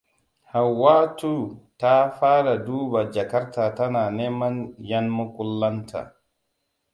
Hauwatutu ta fara duba jakarta tana neman ƴanmukullanta.